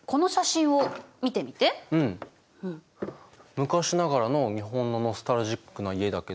昔ながらの日本のノスタルジックな家だけど。